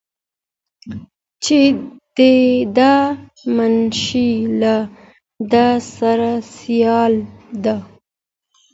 چې د ده منشي له ده سره سیاله ده.